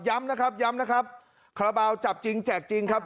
ย้ำนะครับคราบาลจับจริงแจกจริงครับ